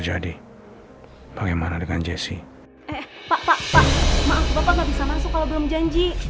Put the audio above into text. pak pak pak maaf bapak gak bisa masuk kalau belum janji